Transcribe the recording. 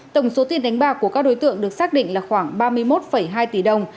tổng số tiền đánh bạc của các đối tượng được xác định là khoảng ba mươi một hai tỷ đồng